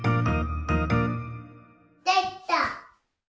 できた。